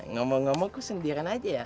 ngomong ngomong ku sendiran aja ya